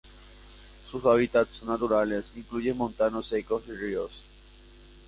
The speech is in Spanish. Sus hábitats naturales incluyen montanos secos y ríos.